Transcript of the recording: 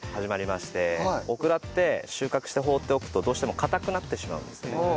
オクラって収穫して放っておくとどうしても硬くなってしまうんですね。